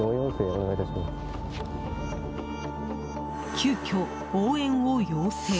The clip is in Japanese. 急きょ、応援を要請。